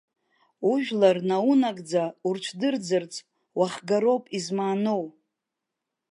Ужәлар наунагӡа урыцәдырӡырц уахгароуп измааноу!